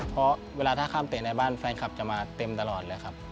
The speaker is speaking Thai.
เพราะเวลาถ้าข้ามเตะในบ้านแฟนคลับจะมาเต็มตลอดเลยครับ